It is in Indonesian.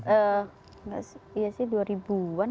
enggak sih iya sih dua ribu an